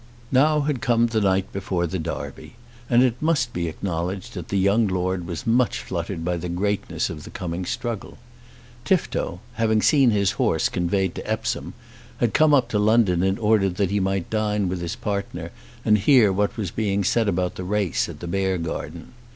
Now had come the night before the Derby, and it must be acknowledged that the young Lord was much fluttered by the greatness of the coming struggle. Tifto, having seen his horse conveyed to Epsom, had come up to London in order that he might dine with his partner and hear what was being said about the race at the Beargarden.